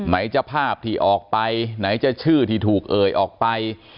จะภาพที่ออกไปไหนจะชื่อที่ถูกเอ่ยออกไป